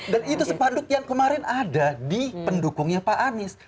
dan itu sepanduk yang kemarin ada di pendukungnya pak anies